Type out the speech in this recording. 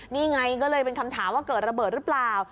นี่ไงก็เลยเป็นคำถามว่าเกิดระเบิดหรือเปล่า